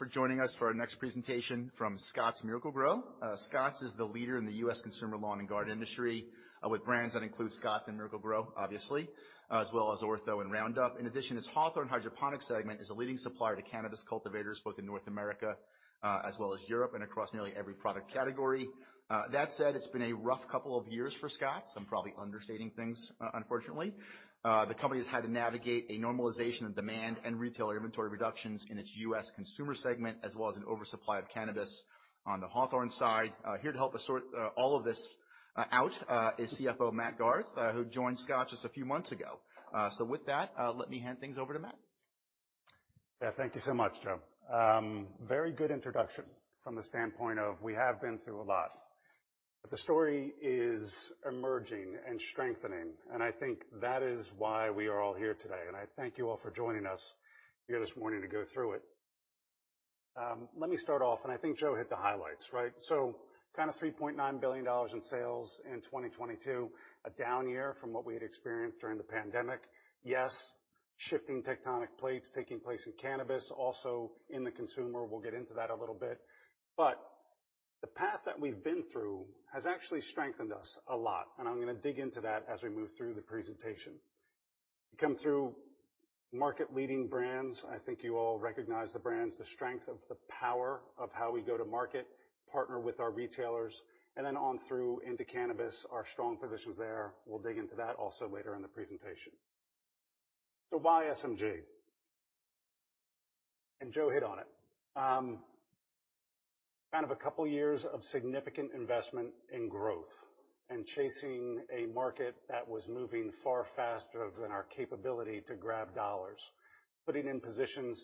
Thank you for joining us for our next presentation from Scotts Miracle-Gro. Scotts is the leader in the U.S. Consumer lawn and garden industry, with brands that include Scotts and Miracle-Gro, obviously, as well as Ortho and Roundup. Its Hawthorne hydroponic segment is a leading supplier to cannabis cultivators, both in North America, as well as Europe, across nearly every product category. That said, it's been a rough couple of years for Scotts. I'm probably understating things, unfortunately. The company has had to navigate a normalization of demand and retailer inventory reductions in its U.S. Consumer segment, as well as an oversupply of cannabis on the Hawthorne side. Here to help us sort all of this out is CFO Matt Garth, who joined Scotts just a few months ago. With that, let me hand things over to Matt. Yeah. Thank you so much, Joe. Very good introduction from the standpoint of we have been through a lot. The story is emerging and strengthening, and I think that is why we are all here today. I thank you all for joining us here this morning to go through it. Let me start off, and I think Joe hit the highlights, right? Kinda $3.9 billion in sales in 2022, a down year from what we had experienced during the pandemic. Yes, shifting tectonic plates taking place in cannabis, also in the consumer. We'll get into that a little bit. The path that we've been through has actually strengthened us a lot, and I'm gonna dig into that as we move through the presentation. We come through market-leading brands. I think you all recognize the brands, the strength of the power of how we go to market, partner with our retailers, and then on through into cannabis, our strong positions there. We'll dig into that also later in the presentation. Why SMG? Joe hit on it. Kind of a couple years of significant investment in growth and chasing a market that was moving far faster than our capability to grab dollars, putting in positions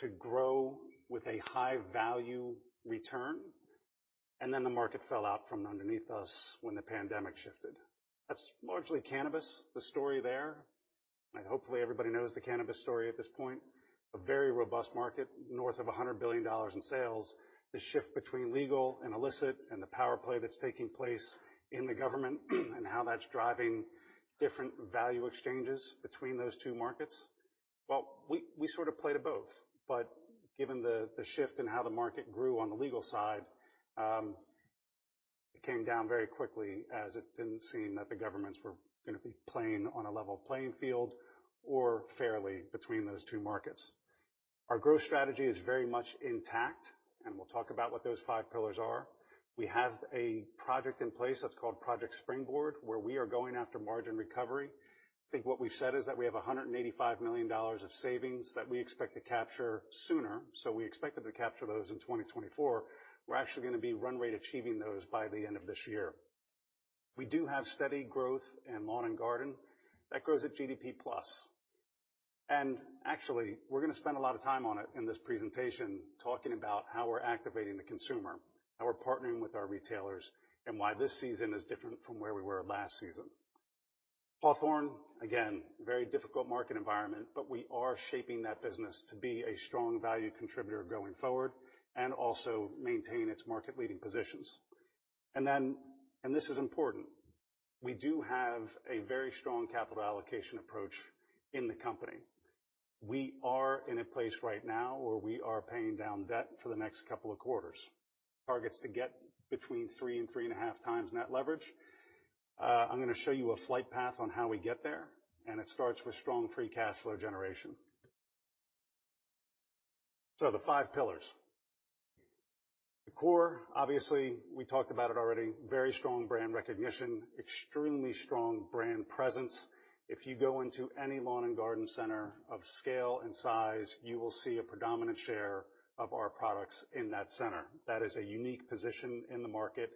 to grow with a high value return, and then the market fell out from underneath us when the pandemic shifted. That's largely cannabis, the story there. Hopefully everybody knows the cannabis story at this point. A very robust market, north of $100 billion in sales. The shift between legal and illicit and the power play that's taking place in the government and how that's driving different value exchanges between those two markets. Well, we sort of play to both. Given the shift in how the market grew on the legal side, it came down very quickly as it didn't seem that the governments were gonna be playing on a level playing field or fairly between those two markets. Our growth strategy is very much intact, and we'll talk about what those five pillars are. We have a project in place that's called Project Springboard, where we are going after margin recovery. I think what we've said is that we have $185 million of savings that we expect to capture sooner. We expected to capture those in 2024. We're actually gonna be run rate achieving those by the end of this year. We do have steady growth in lawn and garden. That grows at GDPplus. Actually, we're gonna spend a lot of time on it in this presentation talking about how we're activating the consumer, how we're partnering with our retailers, and why this season is different from where we were last season. Hawthorne, again, very difficult market environment, but we are shaping that business to be a strong value contributor going forward and also maintain its market-leading positions. This is important, we do have a very strong capital allocation approach in the company. We are in a place right now where we are paying down debt for the next couple of quarters. Target's to get between 3x and 3.5x net leverage. I'm gonna show you a flight path on how we get there, and it starts with strong free cash flow generation. The five pillars. The core, obviously, we talked about it already. Very strong brand recognition, extremely strong brand presence. If you go into any lawn and garden center of scale and size, you will see a predominant share of our products in that center. That is a unique position in the market,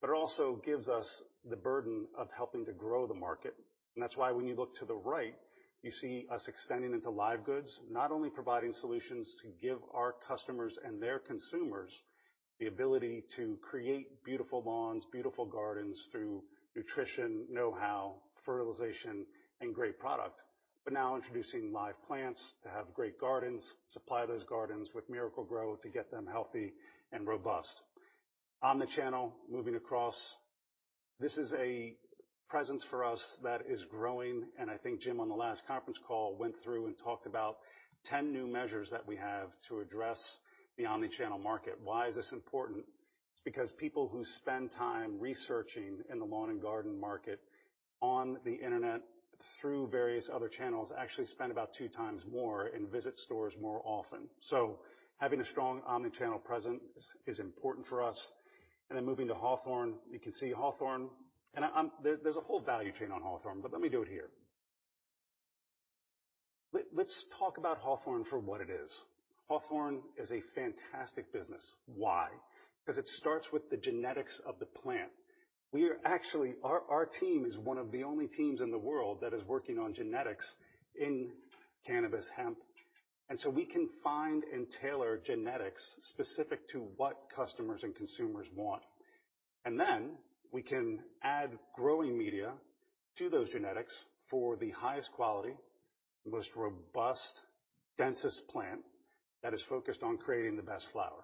but it also gives us the burden of helping to grow the market. That's why when you look to the right, you see us extending into live goods, not only providing solutions to give our customers and their consumers the ability to create beautiful lawns, beautiful gardens through nutrition, know-how, fertilization, and great product, but now introducing live plants to have great gardens, supply those gardens with Miracle-Gro to get them healthy and robust. Omnichannel, moving across. This is a presence for us that is growing, I think Jim on the last conference call went through and talked about 10 new measures that we have to address the omnichannel market. Why is this important? It's because people who spend time researching in the lawn and garden market on the internet through various other channels actually spend about 2x more and visit stores more often. Having a strong omnichannel presence is important for us. Moving to Hawthorne, you can see Hawthorne. there's a whole value chain on Hawthorne, but let me do it here. Let's talk about Hawthorne for what it is. Hawthorne is a fantastic business. Why? Because it starts with the genetics of the plant. We are actually... Our team is one of the only teams in the world that is working on genetics in cannabis hemp. We can find and tailor genetics specific to what customers and consumers want. We can add growing media to those genetics for the highest quality, most robust, densest plant that is focused on creating the best flower.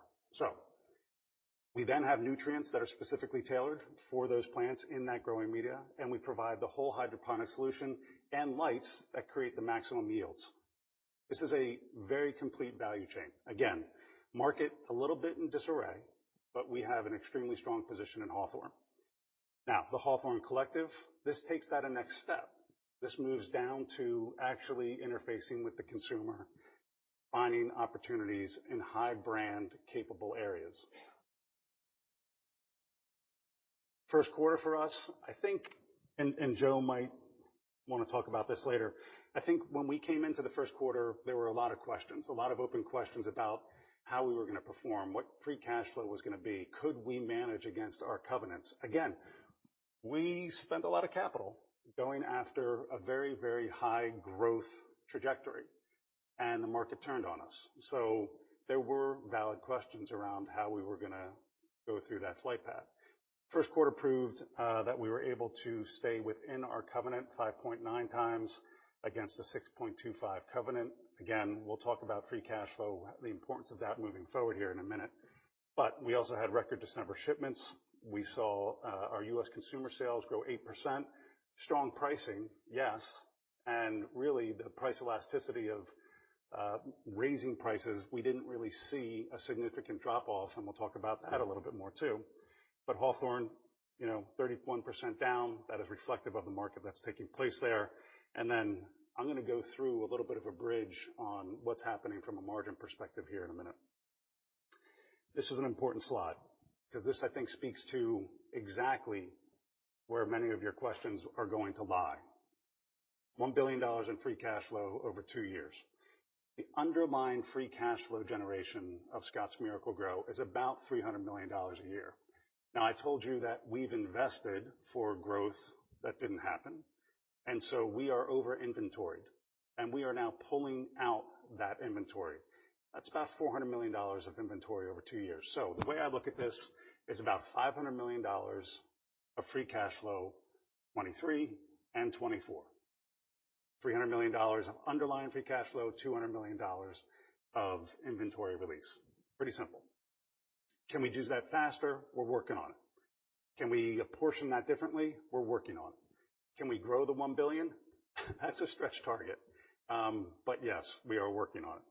We then have nutrients that are specifically tailored for those plants in that growing media, and we provide the whole hydroponic solution and lights that create the maximum yields. This is a very complete value chain. Again, market a little bit in disarray, but we have an extremely strong position in Hawthorne. Now, The Hawthorne Collective, this takes that a next step. This moves down to actually interfacing with the consumer, finding opportunities in high brand capable areas. First quarter for us, I think, Joe might wanna talk about this later. I think when we came into the first quarter, there were a lot of questions, a lot of open questions about how we were gonna perform, what free cash flow was gonna be, could we manage against our covenants? Again, we spent a lot of capital going after a very, very high growth trajectory, and the market turned on us. There were valid questions around how we were gonna go through that flight path. First quarter proved that we were able to stay within our covenant 5.9x against the 6.25 covenant. Again, we'll talk about free cash flow, the importance of that moving forward here in a minute. We also had record December shipments. We saw our U.S. Consumer sales grow 8%. Strong pricing, yes. Really the price elasticity of raising prices, we didn't really see a significant drop-off, and we'll talk about that a little bit more too. Hawthorne, you know, 31% down, that is reflective of the market that's taking place there. I'm gonna go through a little bit of a bridge on what's happening from a margin perspective here in a minute. This is an important slide because this, I think, speaks to exactly where many of your questions are going to lie. $1 billion in free cash flow over two years. The underlying free cash flow generation of Scotts Miracle-Gro is about $300 million a year. Now, I told you that we've invested for growth that didn't happen, we are over-inventoried, we are now pulling out that inventory. That's about $400 million of inventory over two years. The way I look at this is about $500 million of free cash flow, 2023 and 2024. $300 million of underlying free cash flow, $200 million of inventory release. Pretty simple. Can we do that faster? We're working on it. Can we portion that differently? We're working on it. Can we grow the $1 billion? That's a stretch target, but yes, we are working on it.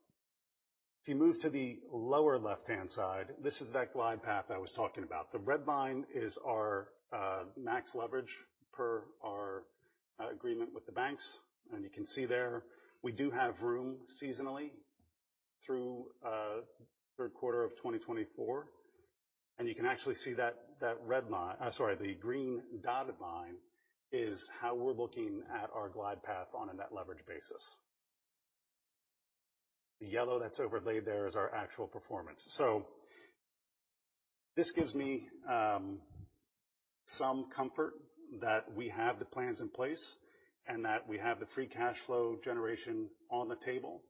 If you move to the lower left-hand side, this is that glide path I was talking about. The red line is our max leverage per our agreement with the banks. You can see there, we do have room seasonally through third quarter of 2024. You can actually see that red line, sorry, the green dotted line is how we're looking at our glide path on a net leverage basis. The yellow that's overlaid there is our actual performance. This gives me some comfort that we have the plans in place and that we have the free cash flow generation on the table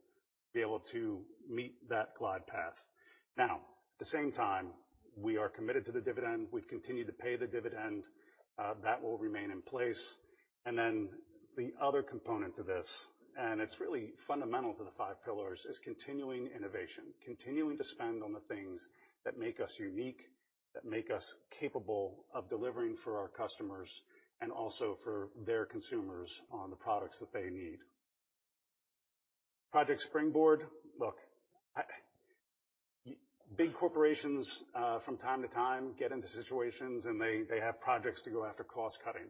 to be able to meet that glide path. At the same time, we are committed to the dividend. We've continued to pay the dividend, that will remain in place. The other component to this, and it's really fundamental to the five pillars, is continuing innovation, continuing to spend on the things that make us unique, that make us capable of delivering for our customers and also for their consumers on the products that they need. Project Springboard. Look, I... Big corporations, from time to time get into situations and they have projects to go after cost-cutting.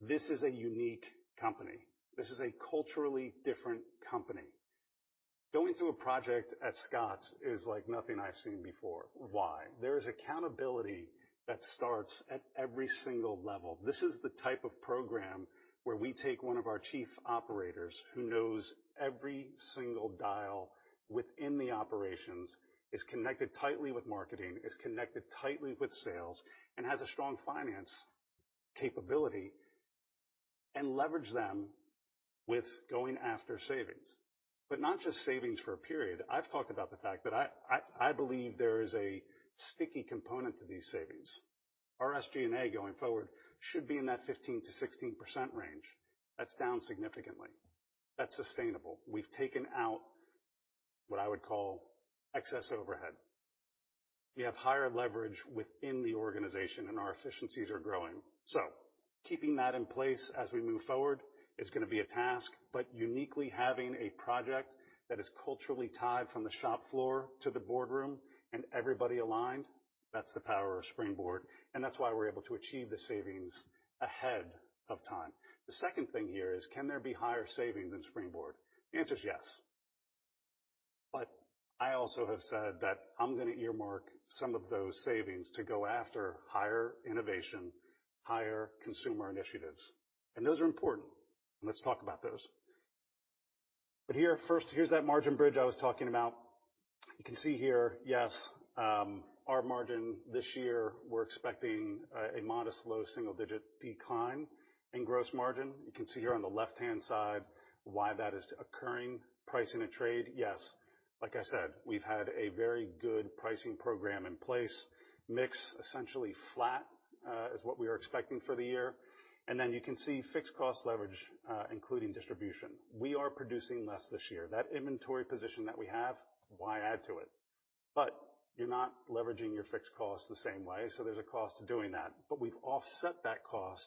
This is a unique company. This is a culturally different company. Going through a project at Scotts is like nothing I've seen before. Why? There is accountability that starts at every single level. This is the type of program where we take one of our chief operators who knows every single dial within the operations, is connected tightly with marketing, is connected tightly with sales, and has a strong finance capability, and leverage them with going after savings. Not just savings for a period. I've talked about the fact that I believe there is a sticky component to these savings. Our SG&A going forward should be in that 15%-16% range. That's down significantly. That's sustainable. We've taken out what I would call excess overhead. We have higher leverage within the organization, our efficiencies are growing. Keeping that in place as we move forward is gonna be a task, but uniquely having a project that is culturally tied from the shop floor to the boardroom and everybody aligned, that's the power of Springboard, and that's why we're able to achieve the savings ahead of time. The second thing here is: Can there be higher savings in Springboard? The answer is yes. I also have said that I'm gonna earmark some of those savings to go after higher innovation, higher consumer initiatives. Those are important. Let's talk about those. Here, first, here's that margin bridge I was talking about. You can see here, yes, our margin this year, we're expecting a modest low single-digit decline in gross margin. You can see here on the left-hand side why that is occurring. Pricing and trade, yes. Like I said, we've had a very good pricing program in place. Mix-Essentially flat, is what we are expecting for the year. You can see fixed cost leverage, including distribution. We are producing less this year. That inventory position that we have, why add to it? You're not leveraging your fixed costs the same way, so there's a cost to doing that. We've offset that cost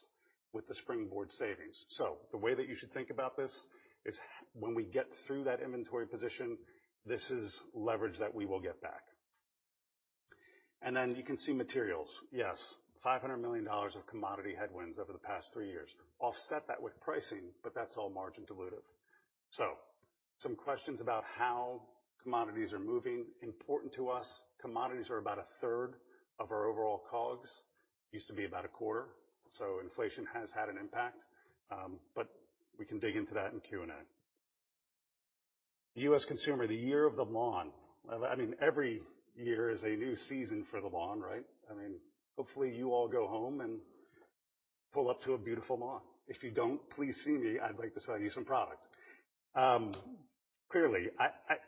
with the Project Springboard savings. The way that you should think about this is when we get through that inventory position, this is leverage that we will get back. You can see materials. Yes, $500 million of commodity headwinds over the past three years. Offset that with pricing, but that's all margin dilutive. Some questions about how commodities are moving. Important to us, commodities are about a third of our overall COGS. Used to be about a quarter. Inflation has had an impact, but we can dig into that in Q&A. U.S. Consumer, the year of the lawn. I mean, every year is a new season for the lawn, right? I mean, hopefully, you all go home and pull up to a beautiful lawn. If you don't, please see me. I'd like to sell you some product. Clearly,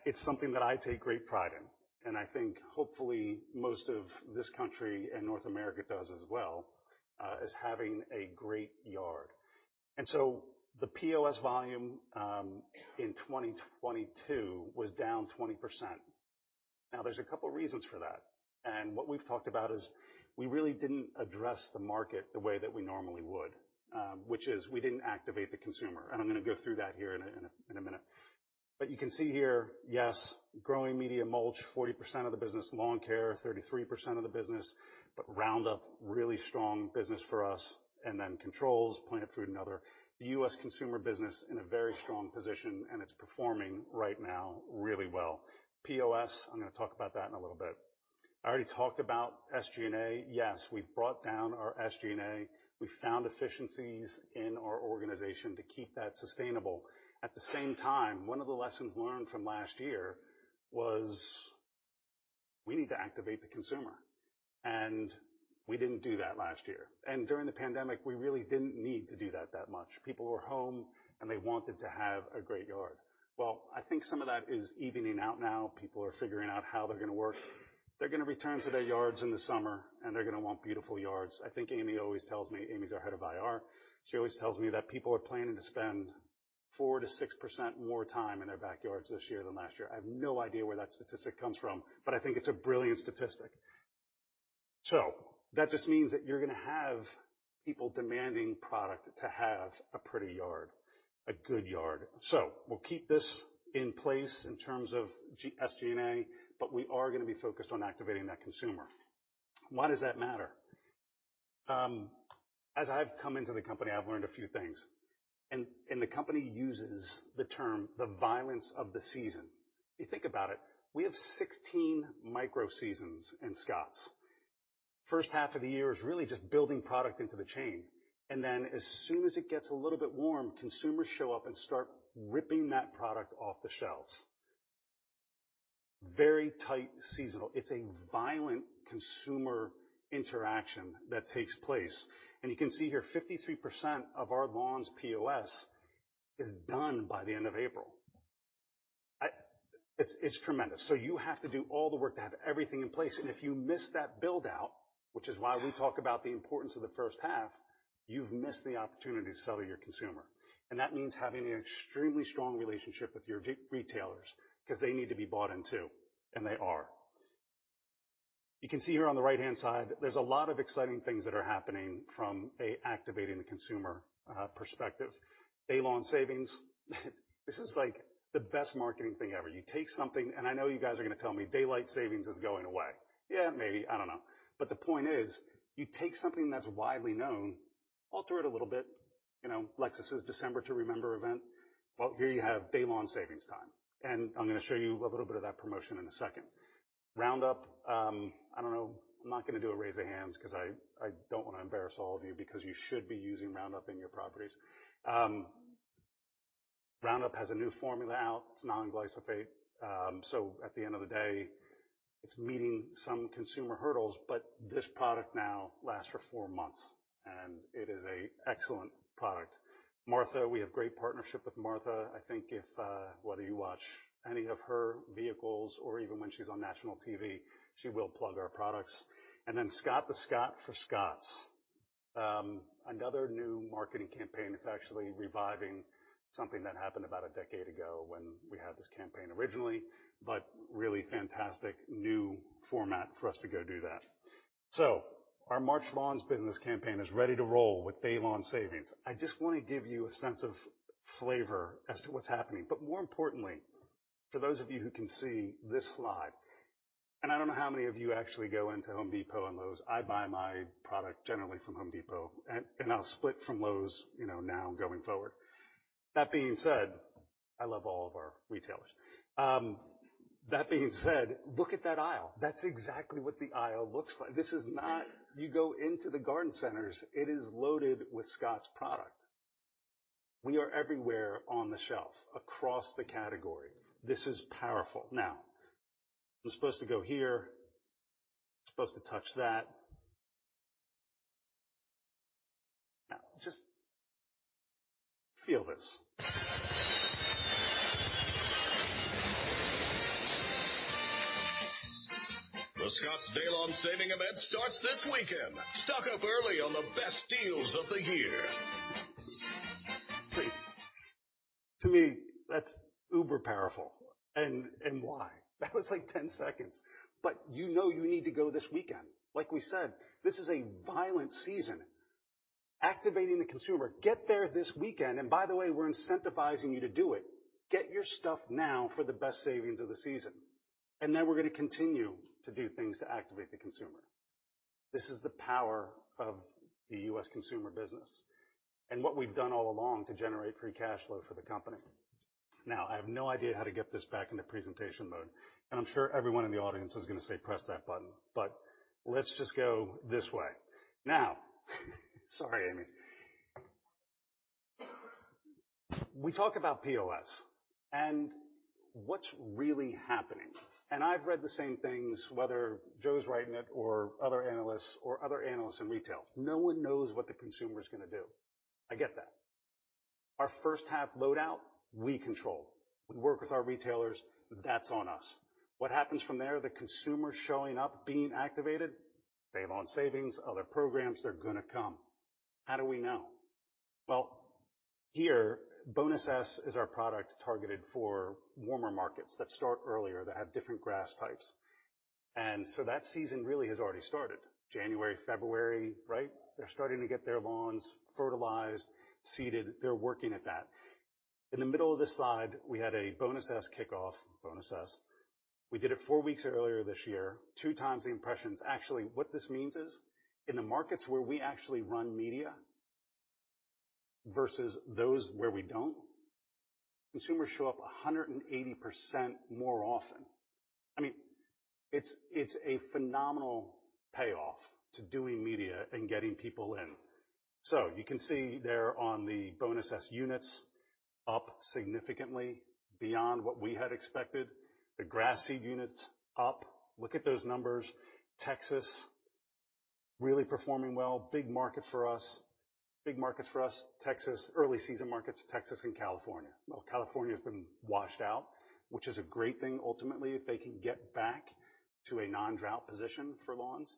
it's something that I take great pride in, and I think hopefully most of this country and North America does as well, is having a great yard. The POS volume in 2022 was down 20%. There's a couple of reasons for that, and what we've talked about is we really didn't address the market the way that we normally would, which is we didn't activate the consumer, and I'm gonna go through that in a minute. You can see here, yes, growing media mulch, 40% of the business, lawn care, 33% of the business. Roundup really strong business for us, and then controls point of view to another. The U.S. Consumer business in a very strong position, and it's performing right now really well. POS, I'm gonna talk about that in a little bit. I already talked about SG&A. Yes, we've brought down our SG&A. We found efficiencies in our organization to keep that sustainable. One of the lessons learned from last year was we need to activate the consumer. We didn't do that last year. During the pandemic, we really didn't need to do that that much. People were home, and they wanted to have a great yard. Well, I think some of that is evening out now. People are figuring out how they're gonna work. They're gonna return to their yards in the summer, and they're gonna want beautiful yards. I think Amy always tells me. Amy's our Head of IR. She always tells me that people are planning to spend 4%-6% more time in their backyards this year than last year. I have no idea where that statistic comes from. I think it's a brilliant statistic. That just means that you're gonna have people demanding product to have a pretty yard, a good yard. We'll keep this in place in terms of SG&A, but we are gonna be focused on activating that consumer. Why does that matter? As I've come into the company, I've learned a few things, and the company uses the term the violence of the season. If you think about it, we have 16 micro seasons in Scotts. First half of the year is really just building product into the chain, and then as soon as it gets a little bit warm, consumers show up and start ripping that product off the shelves. Very tight seasonal. It's a violent consumer interaction that takes place. You can see here, 53% of our lawns POS is done by the end of April. It's tremendous. You have to do all the work to have everything in place. If you miss that build-out, which is why we talk about the importance of the first half, you've missed the opportunity to sell to your consumer. That means having an extremely strong relationship with your retailers because they need to be bought in, too, and they are. You can see here on the right-hand side, there's a lot of exciting things that are happening from a activating the consumer perspective. DayLawn Savings, this is like the best marketing thing ever. You take something... I know you guys are gonna tell me daylight savings is going away. Yeah, maybe, I don't know. The point is, you take something that's widely known, alter it a little bit, you know, like this is December to Remember event. Here you have DayLawn Savings time. I'm gonna show you a little bit of that promotion in a second. Roundup, I don't know, I'm not gonna do a raise of hands 'cause I don't wanna embarrass all of you because you should be using Roundup in your properties. Roundup has a new formula out. It's non-glyphosate. At the end of the day, it's meeting some consumer hurdles, but this product now lasts for four months, and it is a excellent product. Martha, we have great partnership with Martha. I think if whether you watch any of her vehicles or even when she's on national TV, she will plug our products. Scott the Scot for Scotts. Another new marketing campaign. It's actually reviving something that happened about a decade ago when we had this campaign originally. Really fantastic new format for us to go do that. Our March Lawns business campaign is ready to roll with DayLawn Savings. I just wanna give you a sense of flavor as to what's happening. More importantly, for those of you who can see this slide, and I don't know how many of you actually go into Home Depot and Lowe's, I buy my product generally from Home Depot, and I'll split from Lowe's, you know, now going forward. That being said, I love all of our retailers. That being said, look at that aisle. That's exactly what the aisle looks like. This is not you go into the garden centers. It is loaded with Scotts product. We are everywhere on the shelf across the category. This is powerful. I'm supposed to go here. I'm supposed to touch that. Just feel this. The Scotts Lawn Saving Event starts this weekend. Stock up early on the best deals of the year. To me, that's uber powerful. Why? That was like 10 seconds. You know you need to go this weekend. Like we said, this is a violent season. Activating the consumer. Get there this weekend. By the way, we're incentivizing you to do it. Get your stuff now for the best savings of the season. Then we're gonna continue to do things to activate the consumer. This is the power of the U.S. Consumer business and what we've done all along to generate free cash flow for the company. I have no idea how to get this back into presentation mode, and I'm sure everyone in the audience is gonna say, "Press that button," but let's just go this way. Sorry, Amy. We talk about POS and what's really happening. I've read the same things, whether Joe's writing it or other analysts in retail. No one knows what the consumer's gonna do. I get that. Our first half load out, we control. We work with our retailers. That's on us. What happens from there? The consumer showing up, being activated, they want savings, other programs, they're gonna come. How do we know? Well, here, Bonus S is our product targeted for warmer markets that start earlier, that have different grass types. That season really has already started. January, February, right? They're starting to get their lawns fertilized, seeded, they're working at that. In the middle of this slide, we had a Bonus S kickoff. Bonus S. We did it four weeks earlier this year, 2x the impressions. Actually, what this means is, in the markets where we actually run media versus those where we don't, consumers show up 180% more often. I mean, it's a phenomenal payoff to doing media and getting people in. You can see there on the Bonus S units up significantly beyond what we had expected. The grass seed units up. Look at those numbers. Texas really performing well. Big market for us. Big markets for us. Texas. Early season markets, Texas and California. Well, California's been washed out, which is a great thing ultimately, if they can get back to a non-drought position for lawns.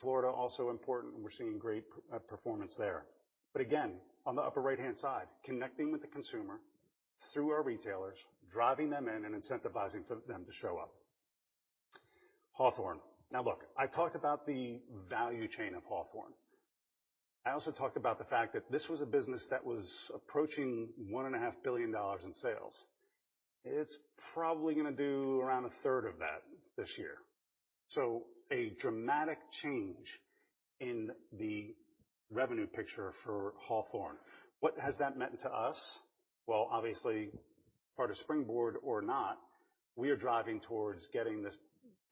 Florida, also important, and we're seeing great performance there. Again, on the upper right-hand side, connecting with the consumer through our retailers, driving them in and incentivizing for them to show up. Hawthorne. Look, I talked about the value chain of Hawthorne. I also talked about the fact that this was a business that was approaching one and a half billion dollars in sales. It's probably going to do around a third of that this year. A dramatic change in the revenue picture for Hawthorne. What has that meant to us? Well, obviously, part of Springboard or not, we are driving towards getting this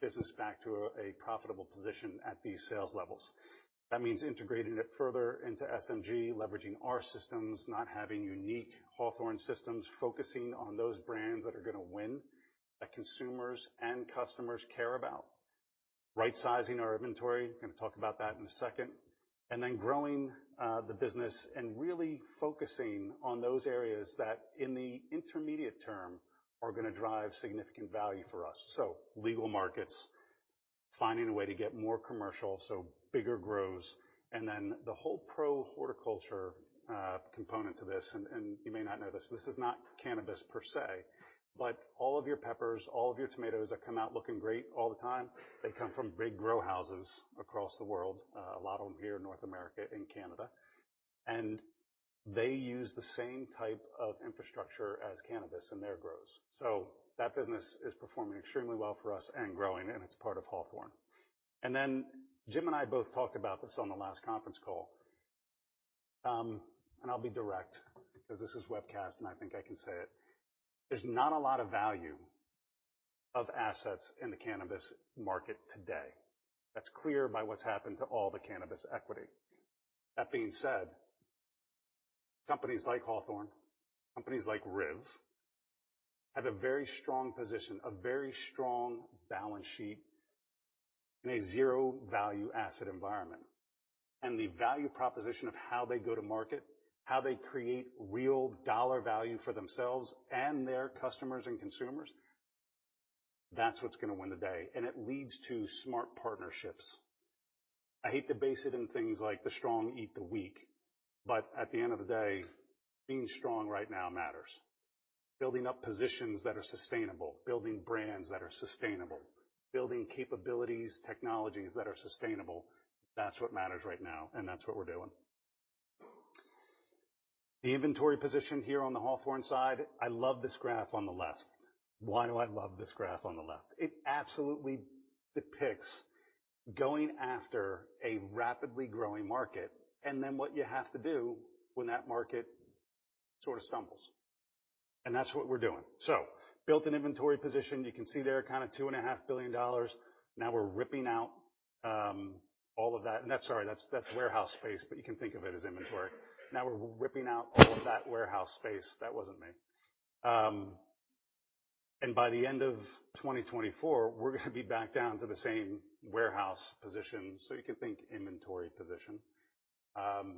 business back to a profitable position at these sales levels. That means integrating it further into SMG, leveraging our systems, not having unique Hawthorne systems, focusing on those brands that are going to win, that consumers and customers care about. Right-sizing our inventory. Going to talk about that in a second. Growing the business and really focusing on those areas that in the intermediate term, are going to drive significant value for us. Legal markets, finding a way to get more commercial, so bigger grows. The whole pro horticulture component to this, and you may not know this is not cannabis per se, but all of your peppers, all of your tomatoes that come out looking great all the time, they come from big grow houses across the world, a lot of them here in North America and Canada. They use the same type of infrastructure as cannabis in their grows. That business is performing extremely well for us and growing, and it's part of Hawthorne. Jim and I both talked about this on the last conference call. I'll be direct because this is webcast, and I think I can say it. There's not a lot of value of assets in the cannabis market today. That's clear by what's happened to all the cannabis equity. That being said, companies like Hawthorne, companies like Riv have a very strong position, a very strong balance sheet in a zero value asset environment. The value proposition of how they go to market, how they create real dollar value for themselves and their customers and consumers, that's what's gonna win the day, and it leads to smart partnerships. I hate to base it in things like the strong eat the weak, but at the end of the day, being strong right now matters. Building up positions that are sustainable, building brands that are sustainable, building capabilities, technologies that are sustainable, that's what matters right now, and that's what we're doing. The inventory position here on the Hawthorne side, I love this graph on the left. Why do I love this graph on the left? It absolutely depicts going after a rapidly growing market and then what you have to do when that market sort of stumbles. That's what we're doing. Built an inventory position. You can see there kind of $2.5 billion. Now we're ripping out all of that. That's warehouse space, but you can think of it as inventory. Now we're ripping out all of that warehouse space. That wasn't me. By the end of 2024, we're gonna be back down to the same warehouse position, so you can think inventory position,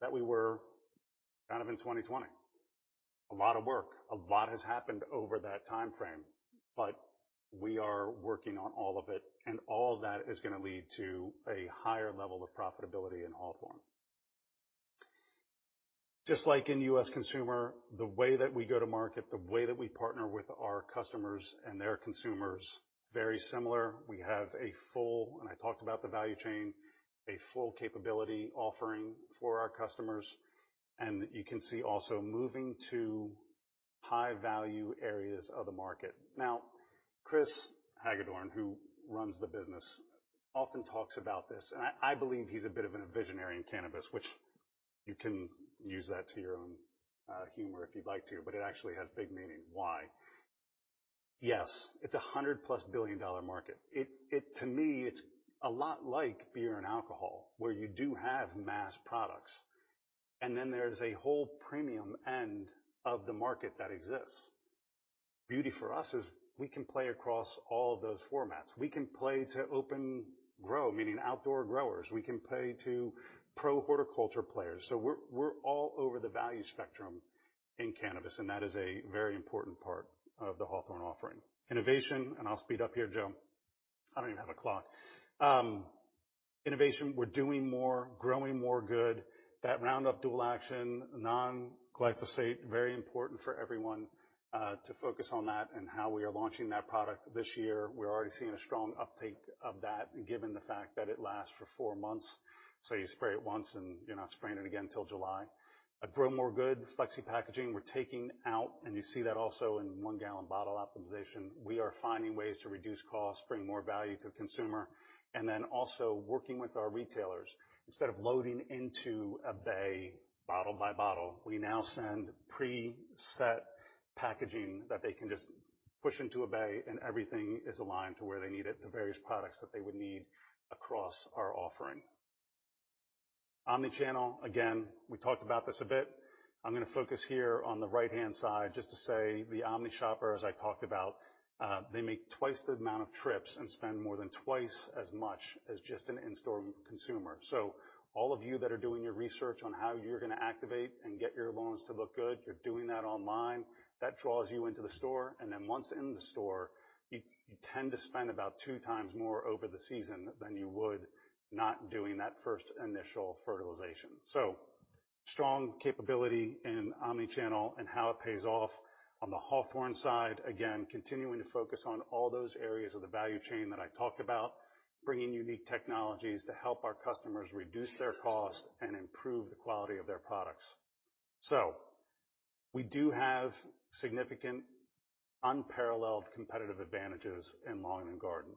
that we were kind of in 2020. A lot of work, a lot has happened over that time frame, but we are working on all of it, and all that is gonna lead to a higher level of profitability in Hawthorne. Just like in U.S. Consumer, the way that we go to market, the way that we partner with our customers and their consumers, very similar. We have a full, and I talked about the value chain, a full capability offering for our customers, and you can see also moving to high value areas of the market. Chris Hagedorn, who runs the business, often talks about this, and I believe he's a bit of a visionary in cannabis, which you can use that to your own humor if you'd like to, but it actually has big meaning. Why? Yes, it's a $100+ billion market. It To me, it's a lot like beer and alcohol, where you do have mass products, and then there's a whole premium end of the market that exists. Beauty for us is we can play across all of those formats. We can play to open grow, meaning outdoor growers. We can play to pro horticulture players. We're all over the value spectrum in cannabis, and that is a very important part of the Hawthorne offering. Innovation, and I'll speed up here, Joe. I don't even have a clock. Innovation, we're doing more, GroMoreGood. That Roundup Dual Action, non-glyphosate, very important for everyone, to focus on that and how we are launching that product this year. We're already seeing a strong uptake of that given the fact that it lasts for four months. You spray it once, and you're not spraying it again till July. At GroMoreGood, Flexi Packaging, we're taking out, and you see that also in one gallon bottle optimization. We are finding ways to reduce costs, bring more value to the consumer, and then also working with our retailers. Instead of loading into a bay bottle by bottle, we now send preset packaging that they can just push into a bay. Everything is aligned to where they need it, the various products that they would need across our offering. Omnichannel, again, we talked about this a bit. I'm gonna focus here on the right-hand side just to say the Omnishopper, as I talked about, they make 2x the amount of trips and spend more than 2x as much as just an in-store consumer. All of you that are doing your research on how you're gonna activate and get your lawns to look good, you're doing that online. Draws you into the store. Once in the store, you tend to spend about 2x more over the season than you would not doing that first initial fertilization. Strong capability in omnichannel and how it pays off on the Hawthorne side. Again, continuing to focus on all those areas of the value chain that I talked about, bringing unique technologies to help our customers reduce their costs and improve the quality of their products. We do have significant unparalleled competitive advantages in lawn and garden.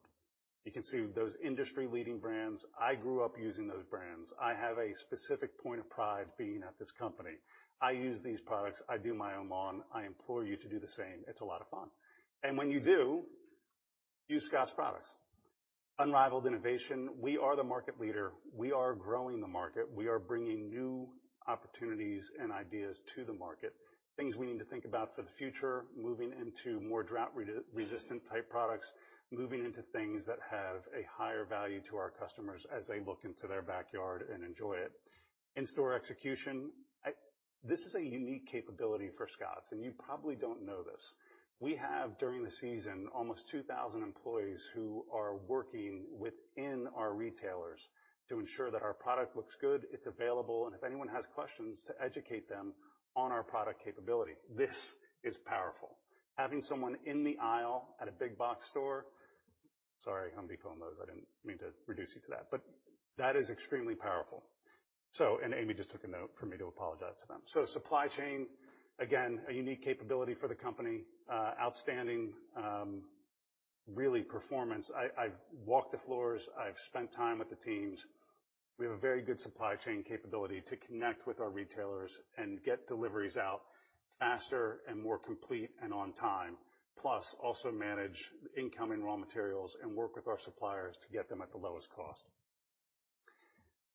You can see those industry-leading brands. I grew up using those brands. I have a specific point of pride being at this company. I use these products. I do my own lawn. I implore you to do the same. It's a lot of fun. When you do, use Scotts products. Unrivaled innovation, we are the market leader. We are growing the market. We are bringing new opportunities and ideas to the market, things we need to think about for the future, moving into more drought-resistant type products, moving into things that have a higher value to our customers as they look into their backyard and enjoy it. In-store execution, this is a unique capability for Scotts, and you probably don't know this. We have, during the season, almost 2,000 employees who are working within our retailers to ensure that our product looks good, it's available, and if anyone has questions, to educate them on our product capability. This is powerful. Having someone in the aisle at a big box store... Sorry, Home Depot and Lowe's, I didn't mean to reduce you to that, but that is extremely powerful. Amy just took a note for me to apologize to them. Supply chain, again, a unique capability for the company, outstanding, really performance. I've walked the floors, I've spent time with the teams. We have a very good supply chain capability to connect with our retailers and get deliveries out faster and more complete and on time, plus also manage incoming raw materials and work with our suppliers to get them at the lowest cost.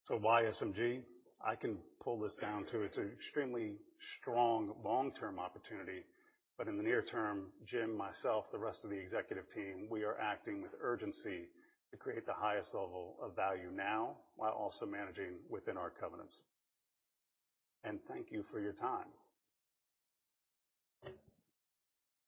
Why SMG? I can pull this down to it's an extremely strong long-term opportunity, but in the near term, Jim, myself, the rest of the executive team, we are acting with urgency to create the highest level of value now while also managing within our covenants. Thank you for your time.